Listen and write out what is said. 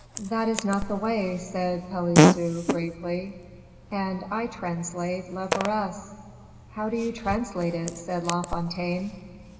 "That is not the way," said Pelisson, gravely, "that I translate lepores." "How do you translate it?" said La Fontaine.